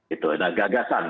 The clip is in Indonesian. itu adalah gagasan